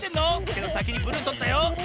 けどさきにブルーとったよ。